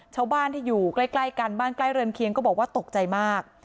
ชาวบ้านที่อยู่ใกล้กันบ้านใกล้เรือนเคียงก็บอกว่าตกใจมาก